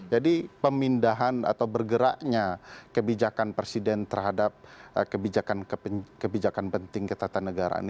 jadi pemindahan atau bergeraknya kebijakan presiden terhadap kebijakan penting ketatanegaraan